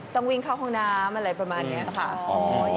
ต้องวิ่งเข้าห้องน้ำอะไรประมาณนี้ค่ะ